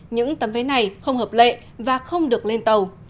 những tấm vé này không hợp lệ và không được lên tàu